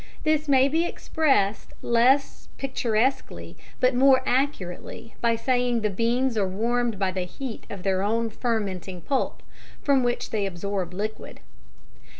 This may be expressed less picturesquely but more accurately by saying the beans are warmed by the heat of their own fermenting pulp, from which they absorb liquid.